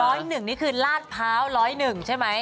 ๑นี่คือลาดพร้าว๑๐๑ใช่ไหม